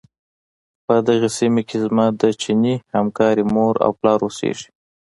په دغې سيمې کې زما د چيني همکارې مور او پلار اوسيږي.